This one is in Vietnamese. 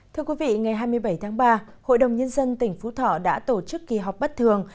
thưa quý vị ngày hai mươi bảy tháng ba hội đồng nhân dân tỉnh phú thọ đã tổ chức kỳ họp bất thường